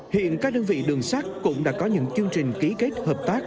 hiện các đơn vị đường sắt cũng đã có những chương trình ký kết hợp tác